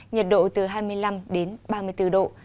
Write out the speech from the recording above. nhiệt độ từ hai mươi năm đến ba mươi bốn độ